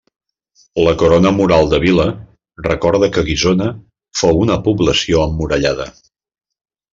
La corona mural de vila recorda que Guissona fou una població emmurallada.